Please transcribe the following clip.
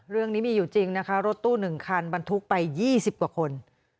เรื่องนี้มีอยู่จริงนะคะรถตู้๑คันบรรทุกไป๒๐กว่าคน